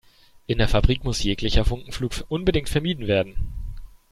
In der Fabrik muss jeglicher Funkenflug unbedingt vermieden werden.